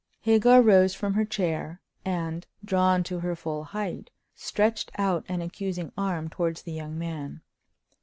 Hagar rose from her chair, and, drawn to her full height, stretched out an accusing arm towards the young man.